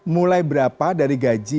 mulai berapa dari gaji